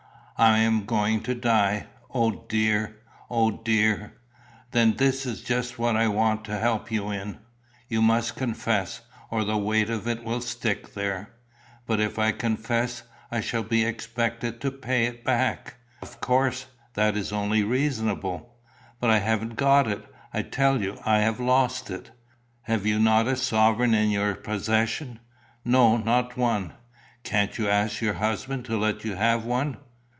I am going to die. O dear! O dear!" "Then that is just what I want to help you in. You must confess, or the weight of it will stick there." "But, if I confess, I shall be expected to pay it back?" "Of course. That is only reasonable." "But I haven't got it, I tell you. I have lost it." "Have you not a sovereign in your possession?" "No, not one." "Can't you ask your husband to let you have one?"